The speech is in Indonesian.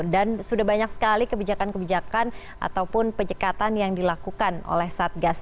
dan sudah banyak sekali kebijakan kebijakan ataupun penyekatan yang dilakukan oleh satgas